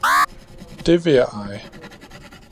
Det vil jeg eje!